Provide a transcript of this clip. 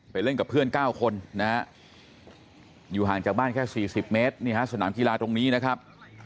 เล่นกับเพื่อน๙คนนะฮะอยู่ห่างจากบ้านแค่๔๐เมตรนี่ฮะสนามกีฬาตรงนี้นะครับ